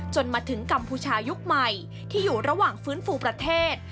จนมาถึงกัมพูชายุคใหม่ที่อยู่ระหว่างฟื้นฟูประเทศ